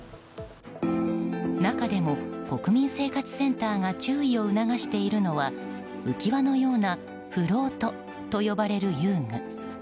中でも国民生活センターが注意を促しているのは浮輪のようなフロートと呼ばれる遊具。